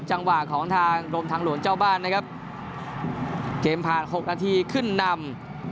จังหวะของทางกรมทางหลวงเจ้าบ้านนะครับเกมผ่านหกนาทีขึ้นนำ